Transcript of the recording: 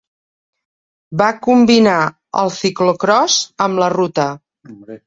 Va combinar el ciclocròs amb la ruta.